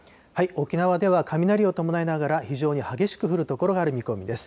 沖縄では雷を伴いながら、非常に激しく降る所がある見込みです。